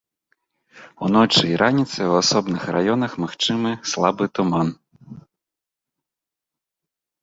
Уночы і раніцай у асобных раёнах магчымы слабы туман.